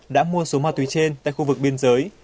đã mua số ma túy trên tại khu vực biên giới